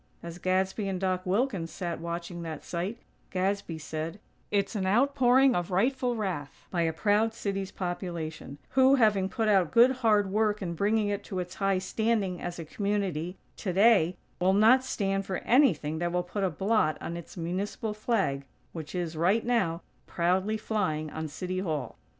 As Gadsby and Doc Wilkins sat watching that sight, Gadsby said: "It's an outpouring of rightful wrath by a proud city's population; who, having put out good, hard work in bringing it to its high standing as a community, today, will not stand for anything that will put a blot on its municipal flag, which is, right now, proudly flying on City Hall."